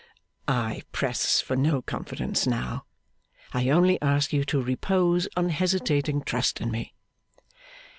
'I press for no confidence now. I only ask you to repose unhesitating trust in me.